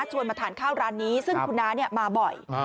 มาทานข้าวร้านนี้ซึ่งคุณน้ามาบ่อย